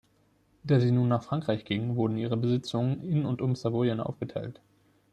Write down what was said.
Da sie nun nach Frankreich ging, wurden ihre Besitzungen in und um Savoyen aufgeteilt.